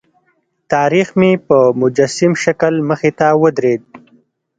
تاریخ مې په مجسم شکل مخې ته ودرېد.